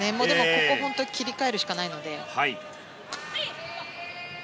ここは本当に切り替えるしかないので。